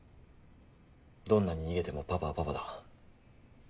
どんなに逃げてもパパはパパだ。